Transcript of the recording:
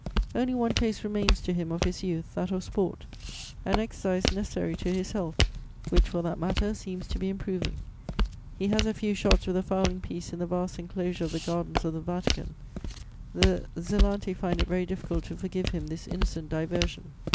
Only one taste remains to him of his youth, that of sport, an exercise necessary to his health, which, for that matter, seems to be improving. He has a few shots with a fowling piece in the vast enclosure of the Gardens of the Vatican. The zelanti find it very difficult to forgive him this innocent diversion.